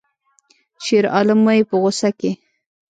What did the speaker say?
شیرعالم وایی په غوسه کې